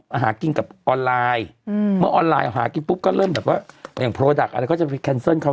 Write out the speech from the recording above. อาหารกินกับออนไลน์อืมเมื่อออนไลน์หากินปุ๊บก็เริ่มแบบว่าอย่างโปรดักต์อะไรก็จะไปแคนเซิลเขา